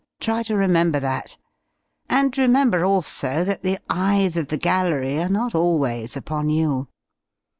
Try to remember that. And remember, also, that the eyes of the gallery are not always upon you.